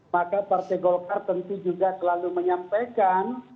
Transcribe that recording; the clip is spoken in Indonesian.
maka partai golkar tentu juga selalu menyampaikan